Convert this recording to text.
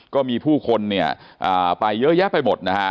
ก็มีผู้คนเนี่ยไปเยอะแยะไปหมดนะฮะ